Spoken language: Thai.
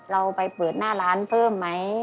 เราไปเปิดหน้าร้านเพิ่มไหม